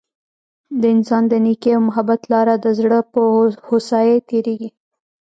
د انسان د نیکۍ او محبت لار د زړه په هوسايۍ تیریږي.